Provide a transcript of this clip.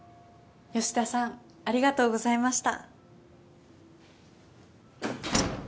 吉田さんありがとうございました。